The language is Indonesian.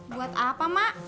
buat apa mak